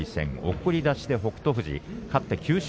送り出しで北勝